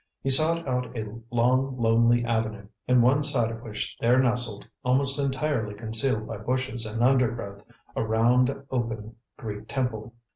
He sought out a long lonely avenue, in one side of which there nestled, almost entirely concealed by bushes and undergrowth, a round open Greek temple.